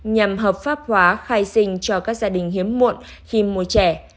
nhằm hợp pháp hóa khai sinh cho các gia đình hiếm muộn khi mua trẻ